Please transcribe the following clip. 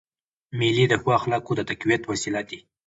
مېلې د ښو اخلاقو د تقویت وسیله دي.